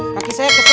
lagi saya kesemutan